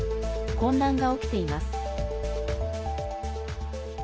混乱が起きています。